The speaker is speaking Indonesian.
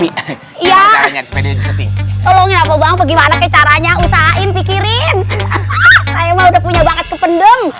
iya tolong ya apa bang bagaimana caranya usahain pikirin saya udah punya banget kependem